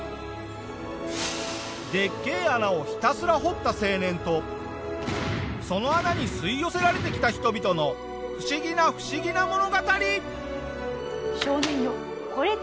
でっけぇ穴をひたすら掘った青年とその穴に吸い寄せられてきた人々の不思議な不思議な物語！